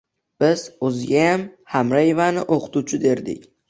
Biz Ozigayam Hamraevni o'qituvchi derdik